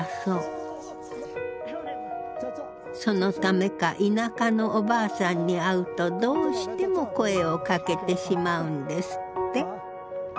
そのためか田舎のおばあさんに会うとどうしても声をかけてしまうんですって。